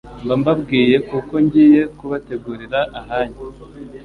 mba mbabwiye kuko ngiye kubategurira ahanyu.